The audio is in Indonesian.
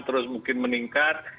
terus mungkin meningkat